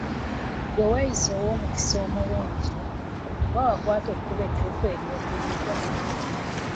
Ggwe weeyise ow'omukisa omulungi, kuba wakwata ekkubo ettuufu ery'okuyiga.